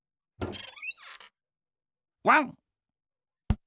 ワン！